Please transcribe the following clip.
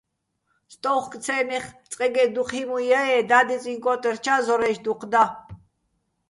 სტო́უხკო̆-ცე́ნეხ წყეგეჸ დუჴ ჰიმუჲ ჲა-ე́ და́დიწიჼ კო́ტერჩა́ ზორაჲშ დუჴ და.